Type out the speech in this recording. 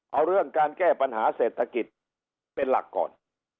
เอาเรื่องการแก้ปัญหาเศรษฐกิจเป็นหลักก่อน